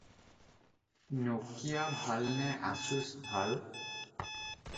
ন’কিয়া ভাল নে আছুছ ভাল?